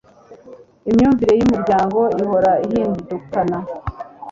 imyumvire y'umuryango ihora ihindukana